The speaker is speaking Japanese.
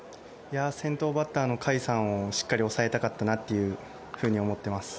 先頭バッターの甲斐さんをしっかり抑えたかったなと思ってます。